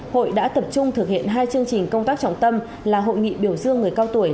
hội đã tập trung thực hiện hai chương trình công tác trọng tâm là hội nghị biểu dương người cao tuổi